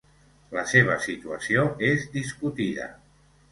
La seva situació és discutida.